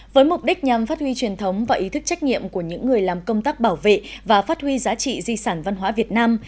với mục đích nhằm phát huy truyền thống và ý thức trách nhiệm của những người làm công tác bảo vệ và phát huy giá trị di sản văn hóa việt nam